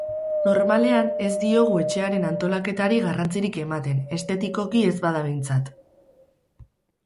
Normalean ez diogu etxearen antolaketari garrantzirik ematen, estetikoki ez bada behintzat.